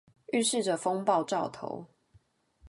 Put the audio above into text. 預示著風暴兆頭